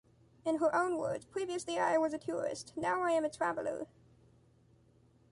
In her own words: "previously I was a tourist, now I am a traveler".